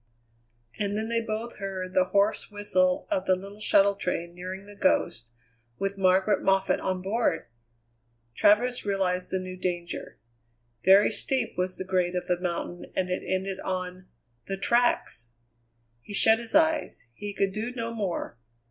And then they both heard the hoarse whistle of the little shuttle train nearing The Ghost, with Margaret Moffatt on board! Travers realized the new danger. Very steep was the grade of the mountain, and it ended on the tracks! He shut his eyes; he could do no more.